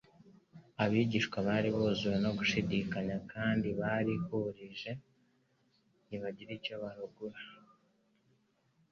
abigishwa bari buzuwe no gushidikanya kandi bariruhije ntibagira icyo buruguka.